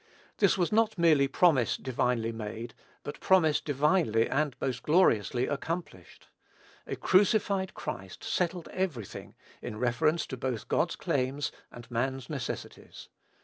This was not merely promise divinely made, but promise divinely and most gloriously accomplished. A crucified Christ settled every thing in reference both to God's claims and man's necessities.